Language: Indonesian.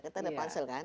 kita ada pansel kan